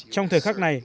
trong thời khắc này